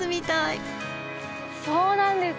そうなんです。